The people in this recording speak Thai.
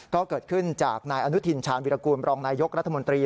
ก็เกิดขึ้นจากนายอนุทินชาญวิรากูลบรองนายยกรัฐมนตรี